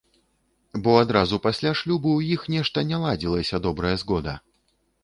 Бо адразу пасля шлюбу ў іх нешта не ладзілася добрая згода.